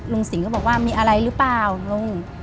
สิงห์ก็บอกว่ามีอะไรหรือเปล่าลุง